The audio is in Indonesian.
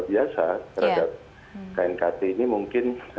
biasa terhadap knkt ini mungkin